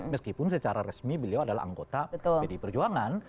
meskipun secara resmi beliau adalah anggota pdi perjuangan